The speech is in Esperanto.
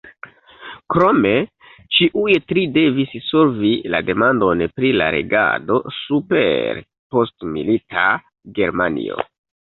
Krome, ĉiuj tri devis solvi la demandon pri la regado super postmilita Germanio.